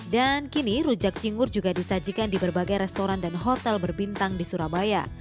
dan kini rujak cingur juga disajikan di berbagai restoran dan hotel berbintang di surabaya